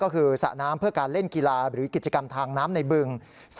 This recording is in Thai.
ก็คือสระน้ำเพื่อการเล่นกีฬาหรือกิจกรรมทางน้ำในบึง